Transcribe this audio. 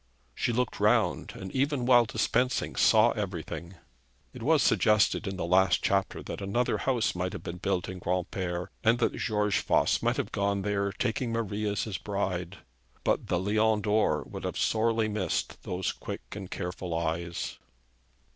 She looked round, and even while dispensing saw everything. It was suggested in the last chapter that another house might have been built in Granpere, and that George Voss might have gone there, taking Marie as his bride; but the Lion d'Or would sorely have missed those quick and careful eyes.